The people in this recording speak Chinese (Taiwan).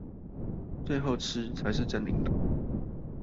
最後吃，才是真領導